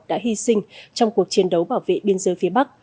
đã hy sinh trong cuộc chiến đấu bảo vệ biên giới phía bắc